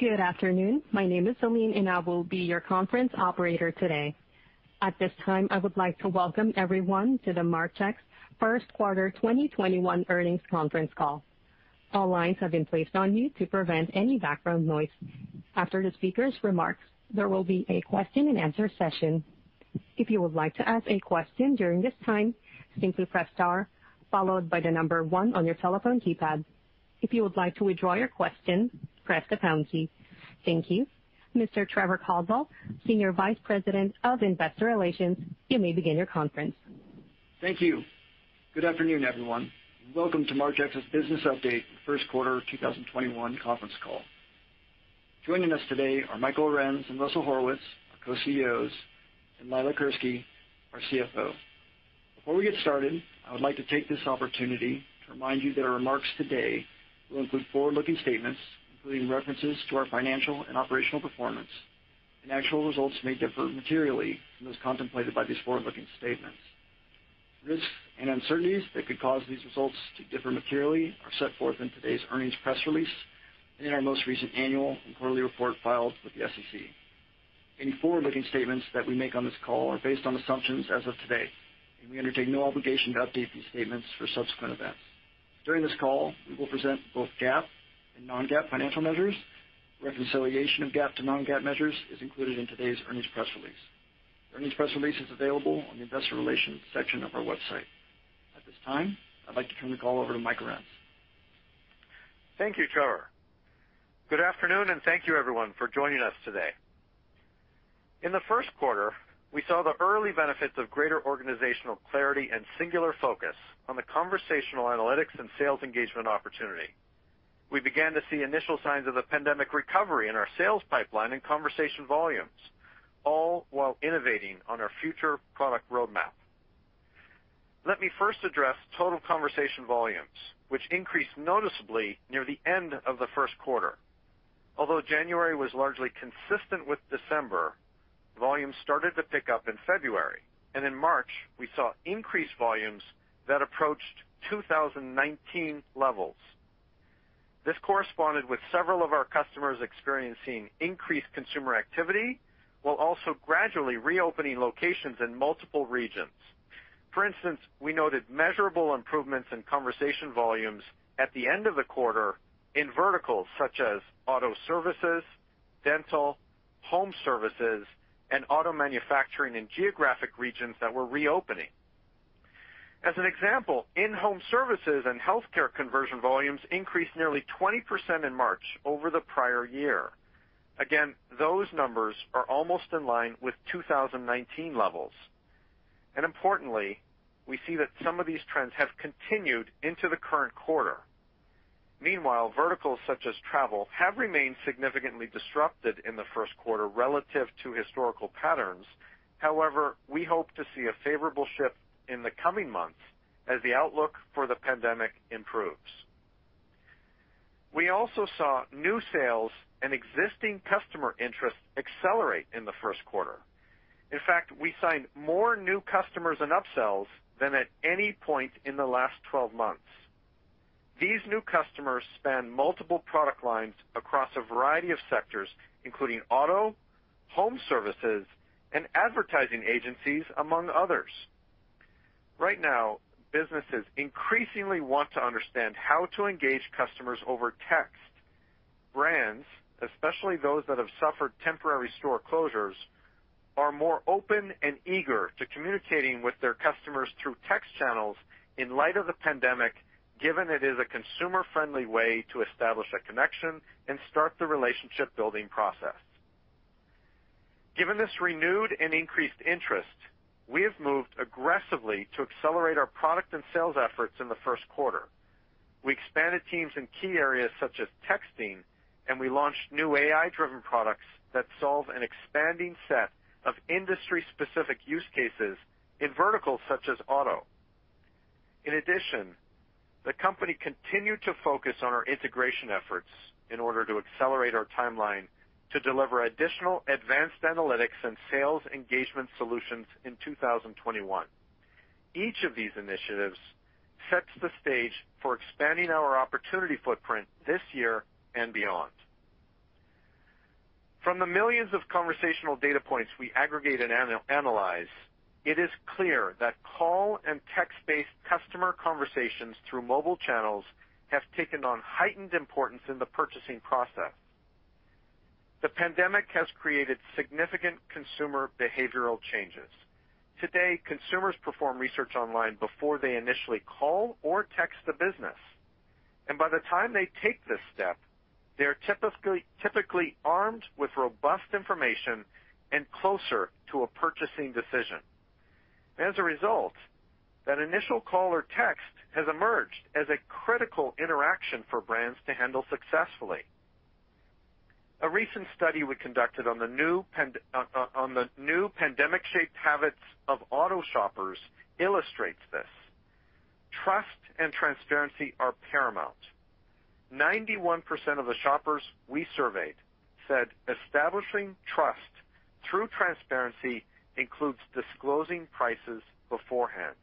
Good afternoon. My name is Selene, and I will be your conference operator today. At this time, I would like to welcome everyone to the Marchex First Quarter 2021 Earnings Conference Call. All lines have been placed on mute to prevent any background noise. After the speakers' remarks, there will be a question and answer session. If you would like to ask a question during this time, simply press star followed by the number one on your telephone keypad. If you would like to withdraw your question, press the pound key. Thank you. Mr. Trevor Caldwell, Senior Vice President of Investor Relations, you may begin your conference. Thank you. Good afternoon, everyone. Welcome to Marchex's Business Update First Quarter 2021 Conference Call. Joining us today are Michael Arends and Russell Horowitz, our Co-CEOs, and Leila Kirske, our CFO. Before we get started, I would like to take this opportunity to remind you that our remarks today will include forward-looking statements, including references to our financial and operational performance, and actual results may differ materially from those contemplated by these forward-looking statements. Risks and uncertainties that could cause these results to differ materially are set forth in today's earnings press release and in our most recent annual and quarterly report filed with the SEC. Any forward-looking statements that we make on this call are based on assumptions as of today, and we undertake no obligation to update these statements for subsequent events. During this call, we will present both GAAP and non-GAAP financial measures. Reconciliation of GAAP to non-GAAP measures is included in today's earnings press release. The earnings press release is available on the investor relations section of our website. At this time, I'd like to turn the call over to Michael Arends. Thank you, Trevor. Good afternoon, and thank you everyone for joining us today. In the first quarter, we saw the early benefits of greater organizational clarity and singular focus on the conversational analytics and sales engagement opportunity. We began to see initial signs of the pandemic recovery in our sales pipeline and conversation volumes, all while innovating on our future product roadmap. Let me first address total conversation volumes, which increased noticeably near the end of the first quarter. Although January was largely consistent with December, volumes started to pick up in February, and in March, we saw increased volumes that approached 2019 levels. This corresponded with several of our customers experiencing increased consumer activity while also gradually reopening locations in multiple regions. For instance, we noted measurable improvements in conversation volumes at the end of the quarter in verticals such as auto services, dental, home services, and auto manufacturing in geographic regions that were reopening. As an example, in-home services and healthcare conversion volumes increased nearly 20% in March over the prior year. Again, those numbers are almost in line with 2019 levels. Importantly, we see that some of these trends have continued into the current quarter. Meanwhile, verticals such as travel have remained significantly disrupted in the first quarter relative to historical patterns. We hope to see a favorable shift in the coming months as the outlook for the pandemic improves. We also saw new sales and existing customer interest accelerate in the first quarter. In fact, we signed more new customers and upsells than at any point in the last 12 months. These new customers span multiple product lines across a variety of sectors, including auto, home services, and advertising agencies, among others. Right now, businesses increasingly want to understand how to engage customers over text. Brands, especially those that have suffered temporary store closures, are more open and eager to communicating with their customers through text channels in light of the pandemic, given it is a consumer-friendly way to establish a connection and start the relationship-building process. Given this renewed and increased interest, we have moved aggressively to accelerate our product and sales efforts in the first quarter. We expanded teams in key areas such as texting, and we launched new AI-driven products that solve an expanding set of industry-specific use cases in verticals such as auto. In addition, the company continued to focus on our integration efforts in order to accelerate our timeline to deliver additional advanced analytics and sales engagement solutions in 2021. Each of these initiatives sets the stage for expanding our opportunity footprint this year and beyond. From the millions of conversational data points we aggregate and analyze, it is clear that call and text-based customer conversations through mobile channels have taken on heightened importance in the purchasing process. The pandemic has created significant consumer behavioral changes. Today, consumers perform research online before they initially call or text a business, and by the time they take this step, they're typically armed with robust information and closer to a purchasing decision. As a result, that initial call or text has emerged as a critical interaction for brands to handle successfully. A recent study we conducted on the new pandemic-shaped habits of auto shoppers illustrates this. Trust and transparency are paramount. 91% of the shoppers we surveyed said establishing trust through transparency includes disclosing prices beforehand.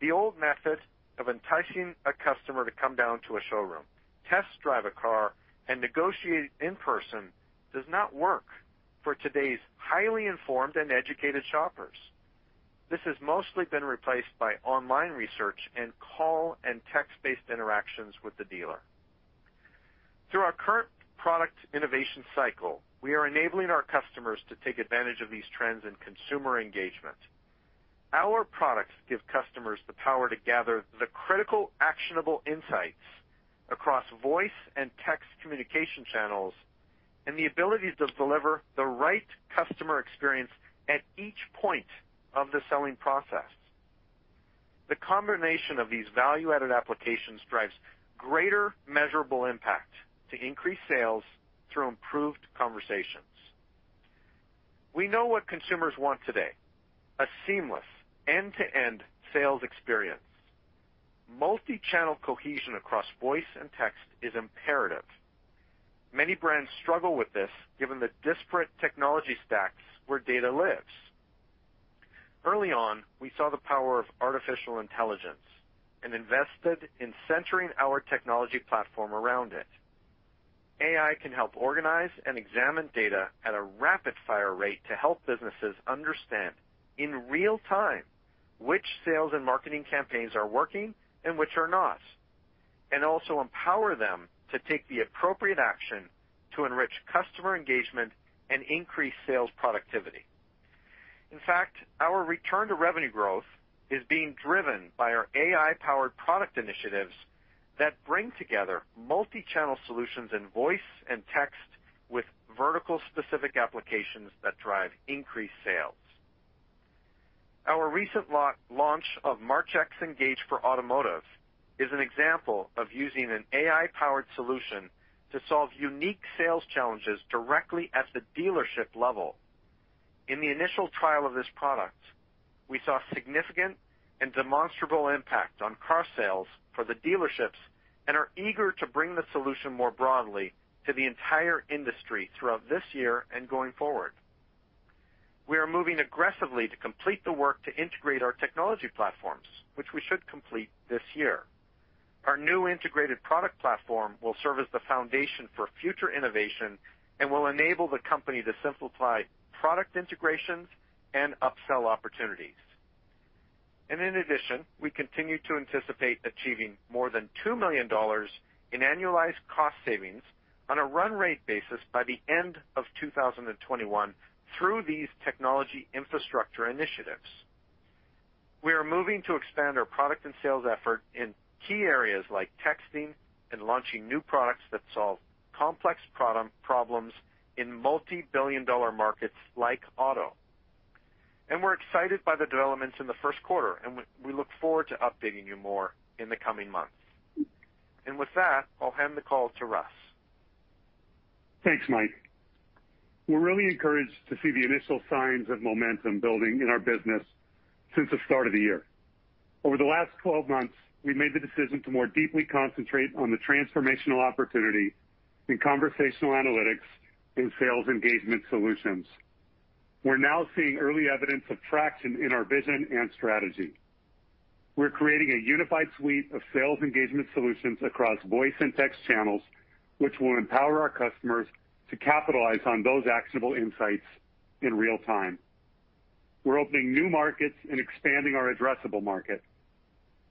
The old method of enticing a customer to come down to a showroom, test drive a car, and negotiate in person does not work for today's highly informed and educated shoppers. This has mostly been replaced by online research and call and text-based interactions with the dealer. Through our current product innovation cycle, we are enabling our customers to take advantage of these trends in consumer engagement. Our products give customers the power to gather the critical actionable insights across voice and text communication channels, and the ability to deliver the right customer experience at each point of the selling process. The combination of these value-added applications drives greater measurable impact to increase sales through improved conversations. We know what consumers want today, a seamless end-to-end sales experience. Multi-channel cohesion across voice and text is imperative. Many brands struggle with this given the disparate technology stacks where data lives. Early on, we saw the power of artificial intelligence and invested in centering our technology platform around it. AI can help organize and examine data at a rapid-fire rate to help businesses understand in real time which sales and marketing campaigns are working and which are not, and also empower them to take the appropriate action to enrich customer engagement and increase sales productivity. In fact, our return to revenue growth is being driven by our AI-powered product initiatives that bring together multi-channel solutions in voice and text with vertical specific applications that drive increased sales. Our recent launch of Marchex Engage for Automotive is an example of using an AI-powered solution to solve unique sales challenges directly at the dealership level. In the initial trial of this product, we saw significant and demonstrable impact on car sales for the dealerships and are eager to bring the solution more broadly to the entire industry throughout this year and going forward. We are moving aggressively to complete the work to integrate our technology platforms, which we should complete this year. Our new integrated product platform will serve as the foundation for future innovation and will enable the company to simplify product integrations and upsell opportunities. In addition, we continue to anticipate achieving more than $2 million in annualized cost savings on a run rate basis by the end of 2021 through these technology infrastructure initiatives. We are moving to expand our product and sales effort in key areas like texting and launching new products that solve complex problems in multi-billion-dollar markets like auto. We're excited by the developments in the first quarter, and we look forward to updating you more in the coming months. With that, I'll hand the call to Russell. Thanks, Mike. We're really encouraged to see the initial signs of momentum building in our business since the start of the year. Over the last 12 months, we made the decision to more deeply concentrate on the transformational opportunity in conversational analytics and sales engagement solutions. We're now seeing early evidence of traction in our vision and strategy. We're creating a unified suite of sales engagement solutions across voice and text channels, which will empower our customers to capitalize on those actionable insights in real time. We're opening new markets and expanding our addressable market.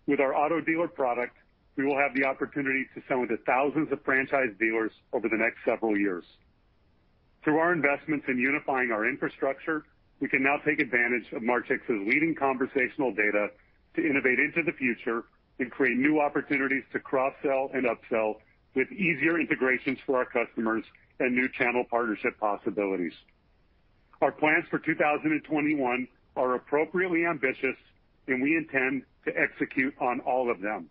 With our auto dealer product, we will have the opportunity to sell into thousands of franchise dealers over the next several years. Through our investments in unifying our infrastructure, we can now take advantage of Marchex's leading conversational data to innovate into the future and create new opportunities to cross-sell and upsell with easier integrations for our customers and new channel partnership possibilities. Our plans for 2021 are appropriately ambitious, and we intend to execute on all of them.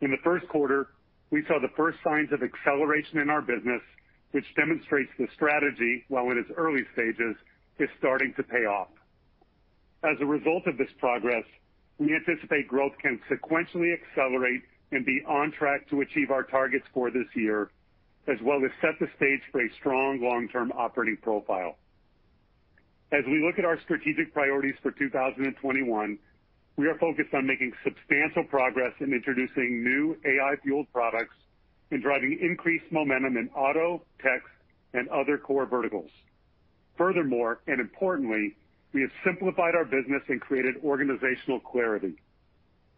In the first quarter, we saw the first signs of acceleration in our business, which demonstrates the strategy, while in its early stages, is starting to pay off. As a result of this progress, we anticipate growth can sequentially accelerate and be on track to achieve our targets for this year, as well as set the stage for a strong long-term operating profile. As we look at our strategic priorities for 2021, we are focused on making substantial progress in introducing new AI-fueled products and driving increased momentum in auto, text, and other core verticals. Importantly, we have simplified our business and created organizational clarity.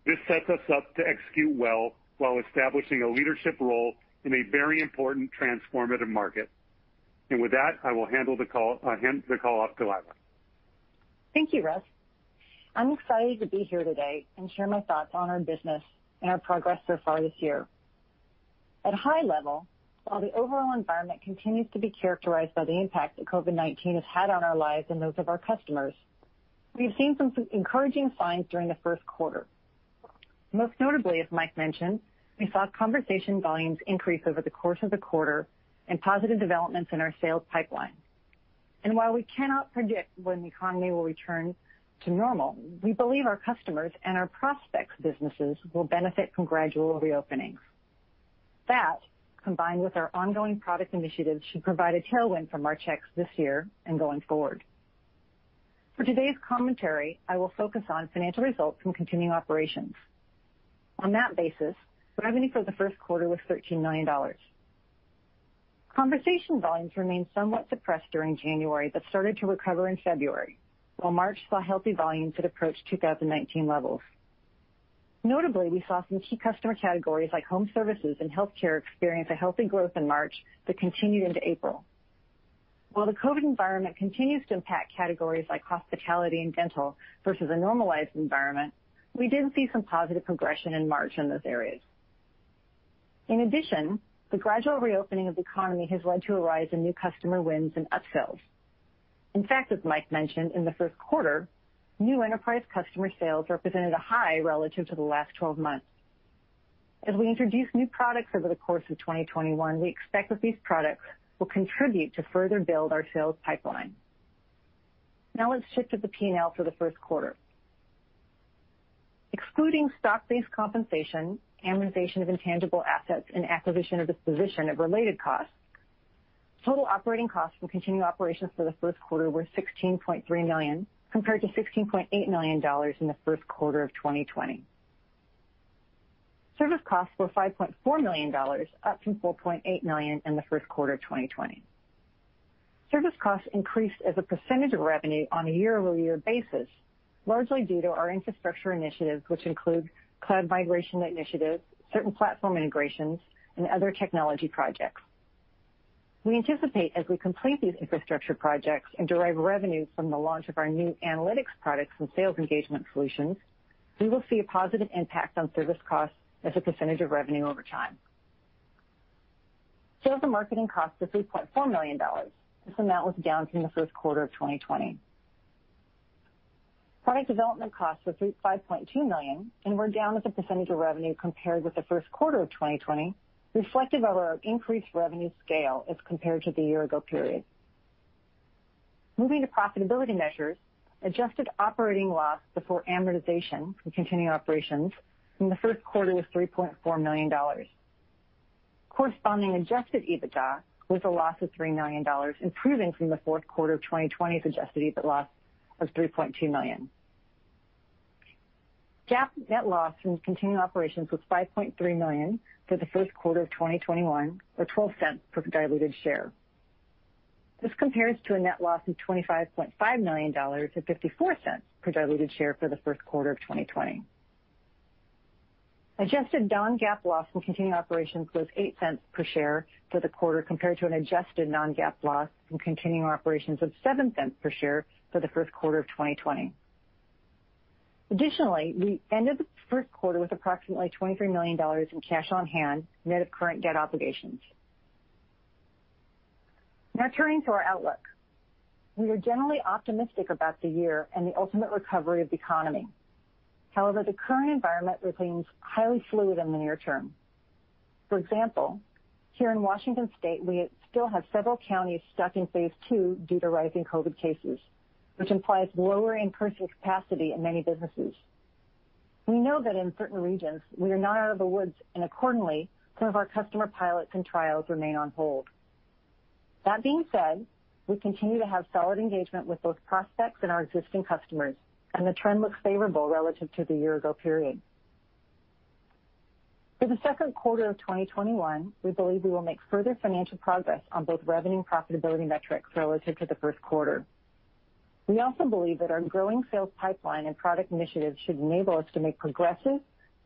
This sets us up to execute well while establishing a leadership role in a very important transformative market. With that, I will hand the call off to Leila. Thank you, Russell. I'm excited to be here today and share my thoughts on our business and our progress so far this year. At a high level, while the overall environment continues to be characterized by the impact that COVID-19 has had on our lives and those of our customers, we've seen some encouraging signs during the first quarter. Most notably, as Mike mentioned, we saw conversation volumes increase over the course of the quarter and positive developments in our sales pipeline. While we cannot predict when the economy will return to normal, we believe our customers and our prospects' businesses will benefit from gradual reopenings. That, combined with our ongoing product initiatives, should provide a tailwind for Marchex this year and going forward. For today's commentary, I will focus on financial results from continuing operations. On that basis, revenue for the first quarter was $13 million. Conversation volumes remained somewhat suppressed during January, but started to recover in February, while March saw healthy volumes that approached 2019 levels. Notably, we saw some key customer categories like home services and healthcare experience a healthy growth in March that continued into April. While the COVID environment continues to impact categories like hospitality and dental versus a normalized environment, we did see some positive progression in March in those areas. In addition, the gradual reopening of the economy has led to a rise in new customer wins and upsells. In fact, as Mike mentioned, in the first quarter, new enterprise customer sales represented a high relative to the last 12 months. As we introduce new products over the course of 2021, we expect that these products will contribute to further build our sales pipeline. Now let's shift to the P&L for the first quarter. Excluding stock-based compensation, amortization of intangible assets, and acquisition or disposition of related costs, total operating costs from continuing operations for the first quarter were $16.3 million, compared to $16.8 million in the first quarter of 2020. Service costs were $5.4 million, up from $4.8 million in the first quarter of 2020. Service costs increased as a percentage of revenue on a year-over-year basis, largely due to our infrastructure initiatives, which include cloud migration initiatives, certain platform integrations, and other technology projects. We anticipate as we complete these infrastructure projects and derive revenue from the launch of our new analytics products and sales engagement solutions, we will see a positive impact on service costs as a percentage of revenue over time. Sales and marketing costs of $3.4 million. This amount was down from the first quarter of 2020. Product development costs were $5.2 million, were down as a percentage of revenue compared with the first quarter of 2020, reflective of our increased revenue scale as compared to the year-ago period. Moving to profitability measures, adjusted operating loss before amortization from continuing operations in the first quarter was $3.4 million. Corresponding adjusted EBITDA was a loss of $3 million, improving from the fourth quarter of 2020's adjusted loss of $3.2 million. GAAP net loss from continuing operations was $5.3 million for the first quarter of 2021, or $0.12 per diluted share. This compares to a net loss of $25.5 million to $0.54 per diluted share for the first quarter of 2020. Adjusted non-GAAP loss from continuing operations was $0.08 per share for the quarter, compared to an adjusted non-GAAP loss from continuing operations of $0.07 per share for the first quarter of 2020. Additionally, we ended the first quarter with approximately $23 million in cash on hand, net of current debt obligations. Now, turning to our outlook. We are generally optimistic about the year and the ultimate recovery of the economy. However, the current environment remains highly fluid in the near term. For example, here in Washington State, we still have several counties stuck in phase two due to rising COVID cases, which implies lower in-person capacity in many businesses. We know that in certain regions, we are not out of the woods, and accordingly, some of our customer pilots and trials remain on hold. That being said, we continue to have solid engagement with both prospects and our existing customers, and the trend looks favorable relative to the year-ago period. For the second quarter of 2021, we believe we will make further financial progress on both revenue and profitability metrics relative to the first quarter. We also believe that our growing sales pipeline and product initiatives should enable us to make progressive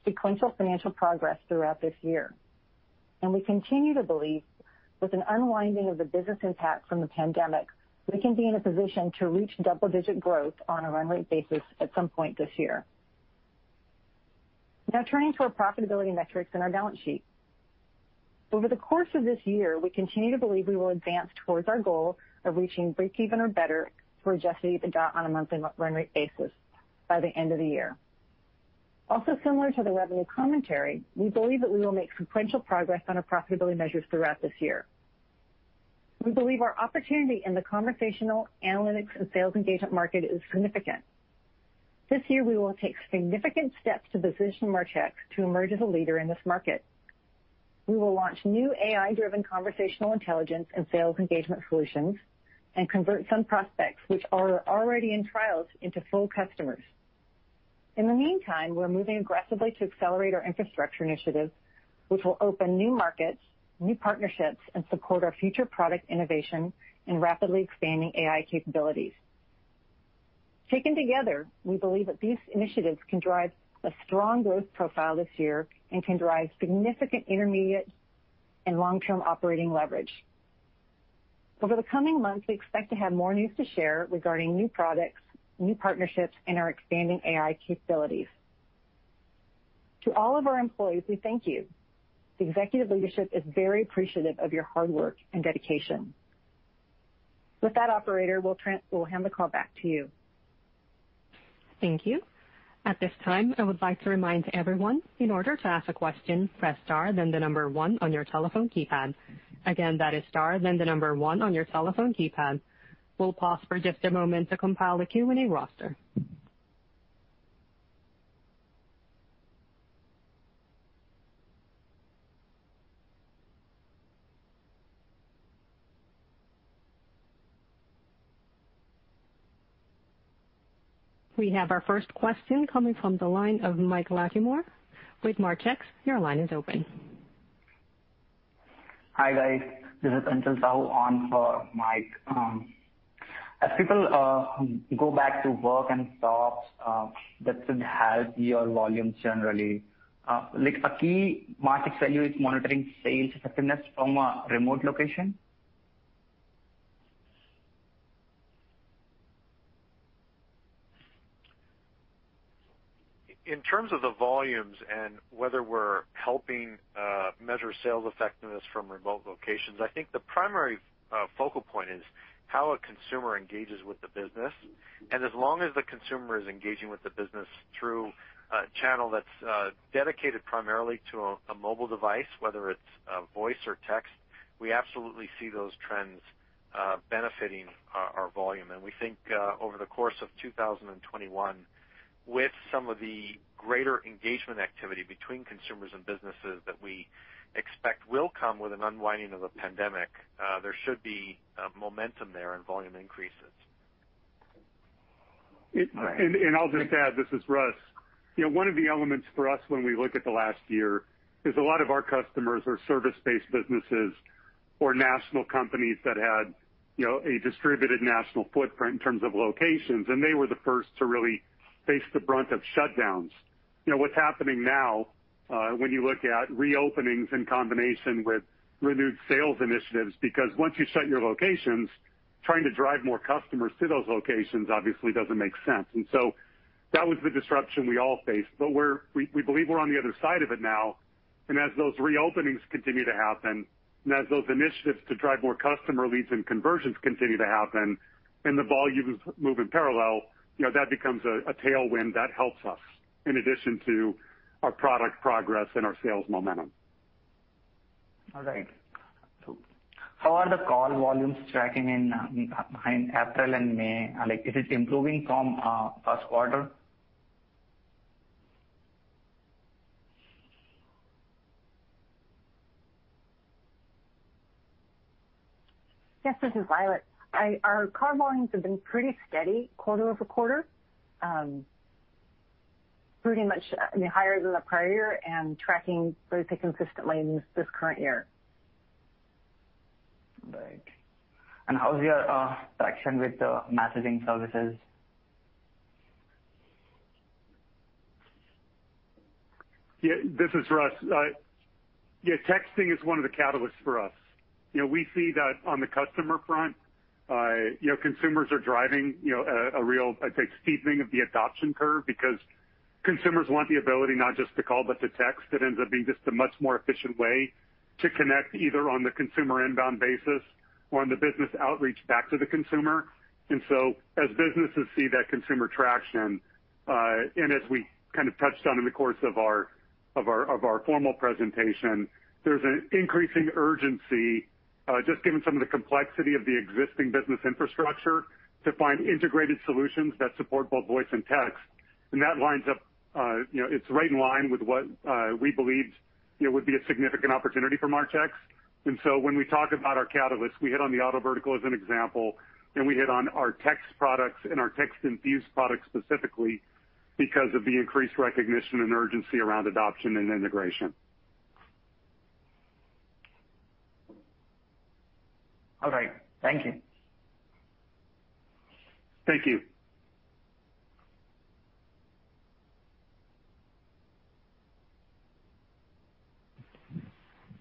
sequential financial progress throughout this year. We continue to believe with an unwinding of the business impact from the pandemic, we can be in a position to reach double-digit growth on a run rate basis at some point this year. Now, turning to our profitability metrics and our balance sheet. Over the course of this year, we continue to believe we will advance towards our goal of reaching breakeven or better for adjusted EBITDA on a monthly run rate basis by the end of the year. Also similar to the revenue commentary, we believe that we will make sequential progress on our profitability measures throughout this year. We believe our opportunity in the conversational analytics and sales engagement market is significant. This year, we will take significant steps to position Marchex to emerge as a leader in this market. We will launch new AI-driven conversational intelligence and sales engagement solutions and convert some prospects which are already in trials into full customers. In the meantime, we're moving aggressively to accelerate our infrastructure initiatives, which will open new markets, new partnerships, and support our future product innovation and rapidly expanding AI capabilities. Taken together, we believe that these initiatives can drive a strong growth profile this year and can drive significant intermediate and long-term operating leverage. Over the coming months, we expect to have more news to share regarding new products, new partnerships, and our expanding AI capabilities. To all of our employees, we thank you. The executive leadership is very appreciative of your hard work and dedication. With that, operator, we'll hand the call back to you. Thank you. At this time, I would like to remind everyone, in order to ask a question, press star then the number one on your telephone keypad. Again, that is star then the number one on your telephone keypad. We'll pause for just a moment to compile the Q&A roster. We have our first question coming from the line of Michael Latimore with Northland Capital Markets. Your line is open. Hi, guys. This is Pinchas Cohen on for Mike. As people go back to work and shops, that should help your volumes generally. Like a key Marchex value is monitoring sales effectiveness from a remote location? In terms of the volumes and whether we're helping measure sales effectiveness from remote locations, I think the primary focal point is how a consumer engages with the business. As long as the consumer is engaging with the business through a channel that's dedicated primarily to a mobile device, whether it's voice or text, we absolutely see those trends benefiting our volume. We think, over the course of 2021, with some of the greater engagement activity between consumers and businesses that we expect will come with an unwinding of the pandemic, there should be momentum there and volume increases. I'll just add, this is Russell. One of the elements for us when we look at the last year is a lot of our customers are service-based businesses or national companies that had a distributed national footprint in terms of locations, and they were the first to really face the brunt of shutdowns. What's happening now, when you look at reopenings in combination with renewed sales initiatives, because once you shut your locations, trying to drive more customers to those locations obviously doesn't make sense. That was the disruption we all faced. We believe we're on the other side of it now, and as those reopenings continue to happen, and as those initiatives to drive more customer leads and conversions continue to happen, and the volumes move in parallel, that becomes a tailwind that helps us in addition to our product progress and our sales momentum. All right. How are the call volumes tracking in April and May? Like is it improving from first quarter? Yes, this is Leila. Our call volumes have been pretty steady quarter-over-quarter. Pretty much higher than the prior year and tracking fairly consistently in this current year. Right. How is your traction with the messaging services? This is Russell. Texting is one of the catalysts for us. We see that on the customer front, consumers are driving a real, I'd say, steepening of the adoption curve because consumers want the ability not just to call, but to text. It ends up being just a much more efficient way to connect, either on the consumer inbound basis or on the business outreach back to the consumer. As businesses see that consumer traction, and as we kind of touched on in the course of our formal presentation, there's an increasing urgency, just given some of the complexity of the existing business infrastructure, to find integrated solutions that support both voice and text. It's right in line with what we believed would be a significant opportunity for Marchex. When we talk about our catalysts, we hit on the auto vertical as an example, and we hit on our text products and our text-infused products specifically because of the increased recognition and urgency around adoption and integration. All right. Thank you. Thank you.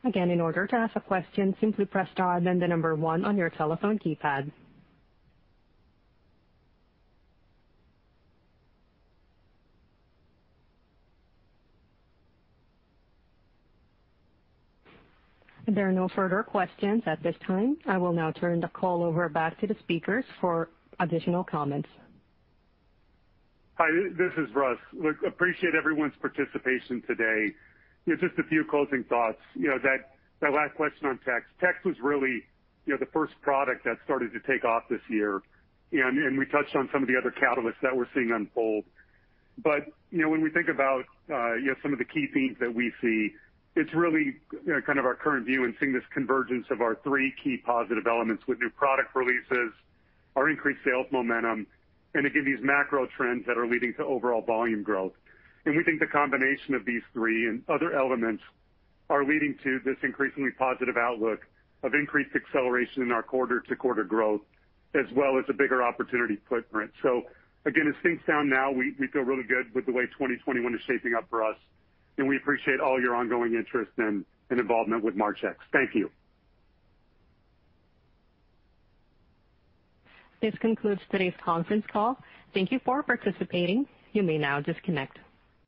Again, in order to ask a question, simply press star then the number one on your telephone keypad. If there are no further questions at this time, I will now turn the call over back to the speakers for additional comments. Hi, this is Russell. Look, appreciate everyone's participation today. Just a few closing thoughts. That last question on text. Text was really the first product that started to take off this year, and we touched on some of the other catalysts that we're seeing unfold. When we think about some of the key themes that we see, it's really kind of our current view and seeing this convergence of our three key positive elements with new product releases, our increased sales momentum, and again, these macro trends that are leading to overall volume growth. We think the combination of these three and other elements are leading to this increasingly positive outlook of increased acceleration in our quarter-to-quarter growth, as well as a bigger opportunity footprint. Again, as things stand now, we feel really good with the way 2021 is shaping up for us, and we appreciate all your ongoing interest and involvement with Marchex. Thank you. This concludes today's conference call. Thank you for participating. You may now disconnect.